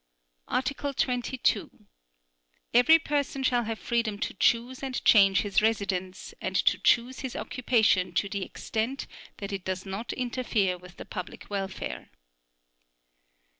Article 22. Every person shall have freedom to choose and change his residence and to choose his occupation to the extent that it does not interfere with the public welfare.